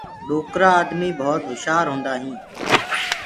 ڏوڪرآ آدمي جآم هُشآر هوندآ هينٚ۔